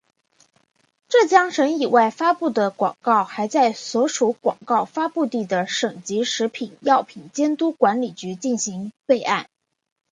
浙江省以外发布的广告还在所属广告发布地的省级食品药品监督管理局进行备案。